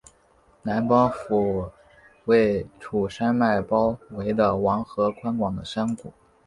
南邦府位处山脉包围的王河宽广的山谷。